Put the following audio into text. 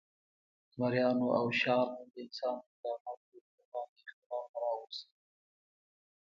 زمریانو او شارک د انسان د اقداماتو پر وړاندې اختلال نه راوست.